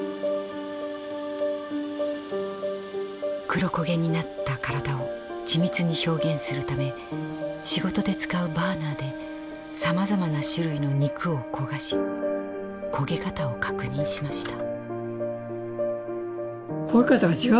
黒焦げになった体を緻密に表現するため仕事で使うバーナーでさまざまな種類の肉を焦がし焦げ方を確認しました。